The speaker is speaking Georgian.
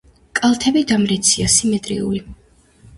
კალთები დამრეცია, სიმეტრიული.